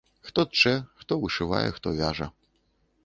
Хто тчэ, хто вышывае, хто вяжа.